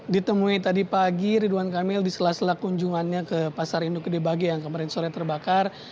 ditemui tadi pagi ridwan kamil di sela sela kunjungannya ke pasar induk gede bage yang kemarin sore terbakar